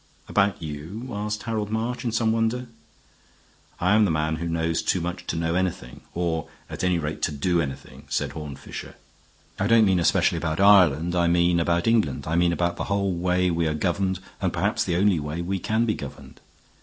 "About you?" asked Harold March in some wonder. "I am the man who knows too much to know anything, or, at any rate, to do anything," said Horne Fisher. "I don't mean especially about Ireland. I mean about England. I mean about the whole way we are governed, and perhaps the only way we can be governed.